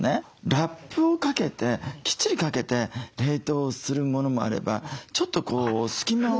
ラップをかけてきっちりかけて冷凍するものもあればちょっとこう隙間を。